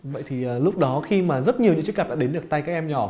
vậy thì lúc đó khi mà rất nhiều những chiếc cặp đã đến được tay các em nhỏ